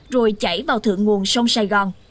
rồi chảy vào thượng nguồn sông sài gòn